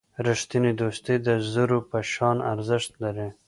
رښتینی دوستي د زرو په شان ارزښت لري.